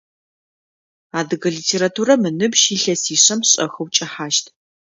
Адыгэ литературэм ыныбжь илъэсишъэм шӏэхэу кӏэхьащт.